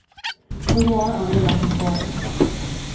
THE WAR ON THE RUSSIAN BORDER.